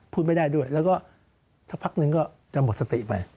พูดไม่ได้ด้วยแล้วก็สักพักนึงก็จะหมดสติไป